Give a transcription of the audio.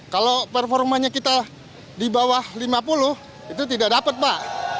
kalau performanya kita di bawah lima puluh itu tidak dapat pak